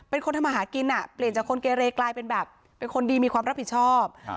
เป็นคนทำมาหากินอ่ะเปลี่ยนจากคนเกเรกลายเป็นแบบเป็นคนดีมีความรับผิดชอบ